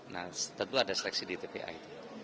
nah tentu ada seleksi di tpa itu